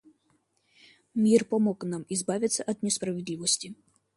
Мир помог нам избавиться от несправедливости.